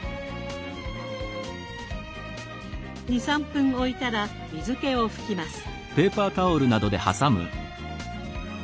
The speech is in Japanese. ２３分おいたら水けを拭きます。